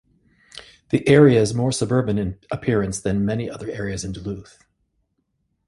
The area is more suburban in appearance than many other areas in Duluth.